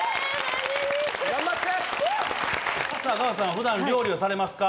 普段料理をされますか？